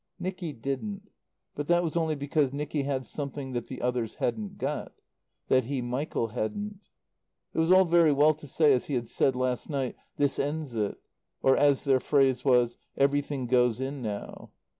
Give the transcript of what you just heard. Nicky didn't. But that was only because Nicky had something that the others hadn't got; that he, Michael, hadn't. It was all very well to say, as he had said last night: "This ends it"; or, as their phrase was, "Everything goes in now."